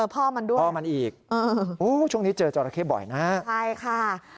พ่อมันด้วยพ่อมันอีกช่วงนี้เจอจราเข้บ่อยนะฮะใช่ค่ะ